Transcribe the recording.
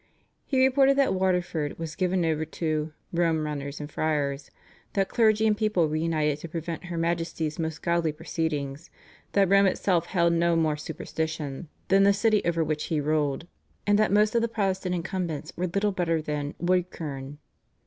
He reported that Waterford was given over to "Rome runners and friars," that clergy and people were united to prevent her Majesty's most godly proceedings, that "Rome itself held no more superstition" than the city over which he ruled, and that most of the Protestant incumbents were little better than "wood kerne."